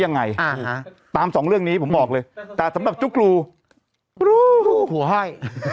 ยังไงตามสองเรื่องนี้ผมบอกเลยแต่สำหรับจุ๊กรูปหัวให้